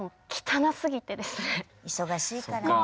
忙しいからね。